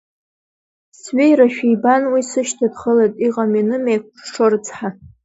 Сҩеирашәа ибан, уи сышьҭа дхылеит, иҟам-иным еиқәырҽҽо, рыцҳа.